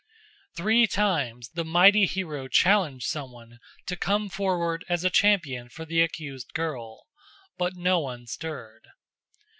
Three times the mighty hero challenged some one to come forward as a champion for the accused girl, but no one stirred.